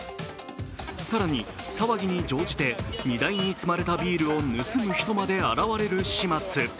更に騒ぎに乗じて荷台に積まれたビールを盗む人まで現れる始末。